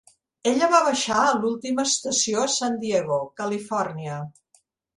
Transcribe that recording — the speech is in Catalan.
Ella va baixar a l"última estació a San Diego, California.